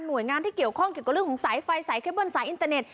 โดยงานที่เกี่ยวข้องเกี่ยวกับเรื่องของสายไฟสายเคเบิ้ลสายอินเตอร์เน็ต